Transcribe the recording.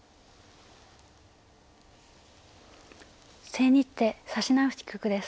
千日手指し直し局です。